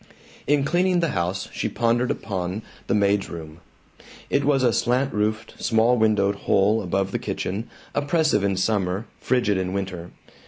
In cleaning the house she pondered upon the maid's room. It was a slant roofed, small windowed hole above the kitchen, oppressive in summer, frigid in winter.